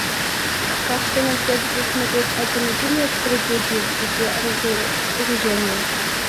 Так что нам следует рассмотреть альтернативные стратегии в русле разоружения.